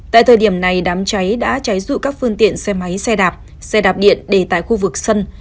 tại thời điểm này đám cháy đã cháy dụi các phương tiện xe máy xe đạp xe đạp điện để tại khu vực sân